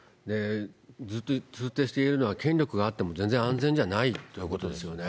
ずっと通底して言えるのは、権力があっても、全然安全じゃないということですよね。